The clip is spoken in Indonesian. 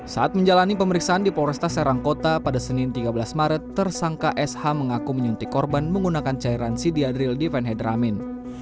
saat menjalani pemeriksaan di polresta serangkota pada senin tiga belas maret tersangka sh mengaku menyuntik korban menggunakan cairan sidiadril devenhedramin